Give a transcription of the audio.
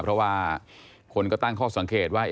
เพราะว่าคนก็ตั้งข้อสังเกตว่า